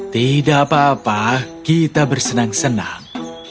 tidak apa apa kita bersenang senang